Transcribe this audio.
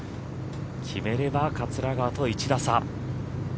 決めれば桂川と１打差。